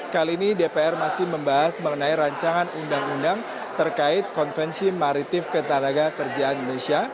kali ini dpr masih membahas mengenai rancangan undang undang terkait konvensi maritim ketenaga kerjaan indonesia